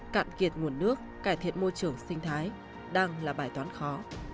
cạn kiệt nguồn nước cải thiện môi trường sinh thái đang là bài toán khó